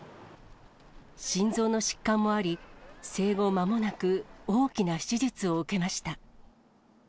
心臓の疾患もあり、生後まもなく大きな手術を受けました。